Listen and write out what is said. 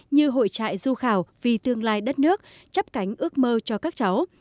như hội trại du khảo vì tương lai đất nước chấp cánh ước mơ cho các cháu